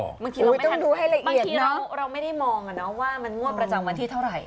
บางทีเราไม่ทันบางทีเราไม่ได้มองเนาะว่ามันนวดประจำวันที่เท่าไร